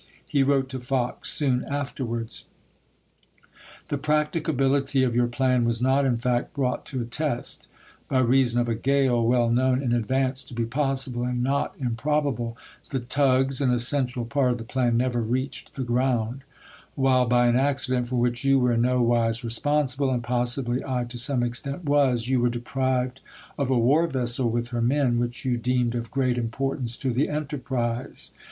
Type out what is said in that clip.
He wrote to Fox soon afterwards : The practicability of your plan was not in fact brought to a test. By reason of a gale, weU known in advance to be possible and not improbable, the tugs, an essential part of the plan, never reached the ground; while, by an accident for which you were in no wise responsible, and possibly I to some extent was, you were deprived of a war vessel, with her men, which you deemed of great importance to the enterprise.